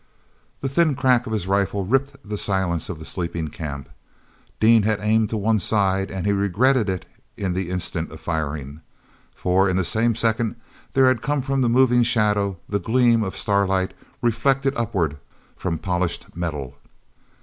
The thin crack of his rifle ripped the silence of the sleeping camp. Dean had aimed to one side and he regretted it in the instant of firing. For, in the same second, there had come from the moving shadow the gleam of starlight reflected upward from polished metal.